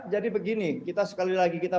jadi begini kita sekali lagi kita